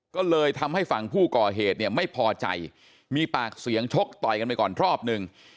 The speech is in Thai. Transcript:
ก็เลยทำให้ฝั่งผู้ก่อเหตุเนี่ยไม่พอใจมีปากเสียงชกต่อยกันไปก่อนรอบหนึ่ง